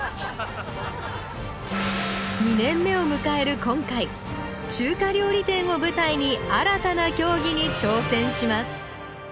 ２年目をむかえる今回中華料理店を舞台に新たな競技に挑戦します